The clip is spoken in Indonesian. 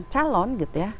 calon gitu ya